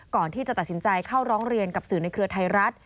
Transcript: ก่อนที่จะตัดสินใจเข้าร้องเรียนกับสื่อในเครือไทยรัฐ